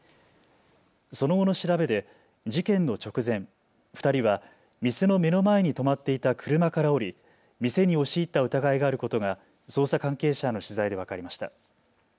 その後の調べで事件の直前、２人は店の目の前に止まっていた車から降り店に押し入った疑いがあることが捜査関係者への取材で分かりました。